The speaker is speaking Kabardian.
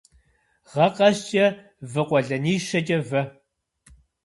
Гъэ къэскӏэ вы къуэлэнищэкӏэ вэ.